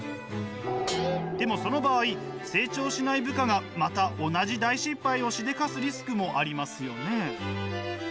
でもその場合成長しない部下がまた同じ大失敗をしでかすリスクもありますよね？